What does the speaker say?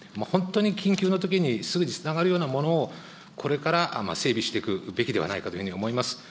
もっとスピード感のあるようなそういうホットライン、本当に緊急のときにすぐにつながるようなものを、これから整備していくべきではないかというふうに思います。